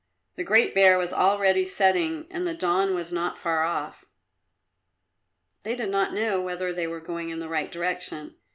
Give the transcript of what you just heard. The Great Bear was already setting and the dawn was not far off. They did not know whether they were going in the right direction.